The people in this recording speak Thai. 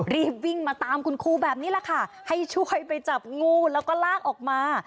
รีบวิ่งมาตามคุณครูแบบนี้แหละค่ะให้ช่วยไปจับงูแล้วก็ลากออกมา